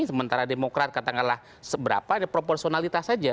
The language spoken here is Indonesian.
sementara demokrat katakanlah seberapa ada proporsionalitas saja